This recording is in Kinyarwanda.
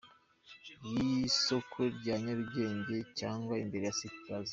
y’isoko rya Nyarugenge cyangwa imbere ya City Plaza.